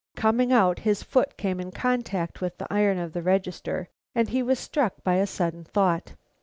Coming out, his foot came in contact with the iron of the register and he was struck by a sudden thought.